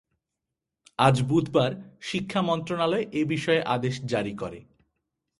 আজ বুধবার শিক্ষা মন্ত্রণালয় এ বিষয়ে আদেশ জারি করে।